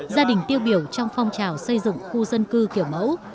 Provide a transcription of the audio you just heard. gia đình tiêu biểu trong phong trào xây dựng khu dân cư kiểu mẫu